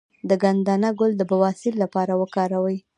د ګندنه ګل د بواسیر لپاره وکاروئ